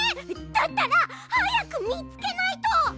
だったらはやくみつけないと！